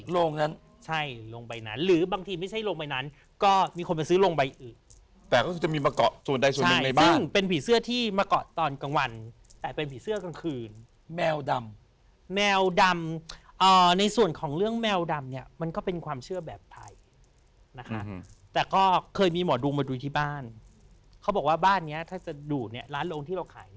โรงนั้นใช่โรงใบนั้นหรือบางทีไม่ใช่โรงใบนั้นก็มีคนไปซื้อโรงใบอื่นแต่ก็คือจะมีมาเกาะส่วนใดส่วนหนึ่งในบ้านซึ่งเป็นผีเสื้อที่มาเกาะตอนกลางวันแต่เป็นผีเสื้อกลางคืนแมวดำแมวดำในส่วนของเรื่องแมวดำเนี่ยมันก็เป็นความเชื่อแบบไทยนะคะแต่ก็เคยมีหมอดูมาดูที่บ้านเขาบอกว่าบ้านเนี้ยถ้าจะดูดเนี่ยร้านโรงที่เราขาย